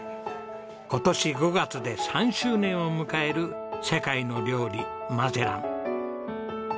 今年５月で３周年を迎える世界の料理マゼラン。